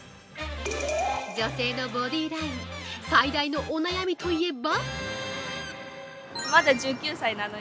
女性のボディーライン、最大のお悩みといえば。